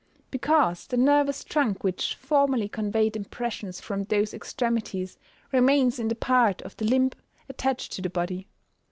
_ Because the nervous trunk which formerly conveyed impressions from those extremities remains in the part of the limb attached to the body.